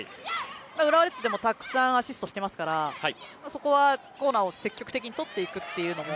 浦和レッズでもたくさんアシストしていますからそこはコーナーを積極的に取っていくというのが